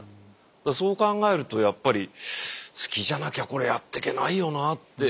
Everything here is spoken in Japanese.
そう考えるとやっぱり好きじゃなきゃこれやってけないよなって。